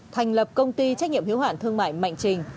thành lập công ty trách nhiệm hiếu hạn thương mại mạnh trình